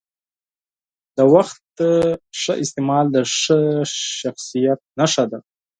د وخت منظم استعمال د ښه شخصیت نښه ده.